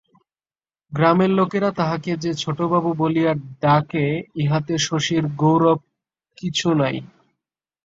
গ্রামের লোকেরা তাহাকে যে ছোটবাবু বলিয়া ডাকে ইহাতে শশীর গৌরব কিছু নাই।